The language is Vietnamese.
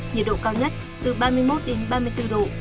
nhiệt độ cao nhất từ ba mươi một đến ba mươi bốn độ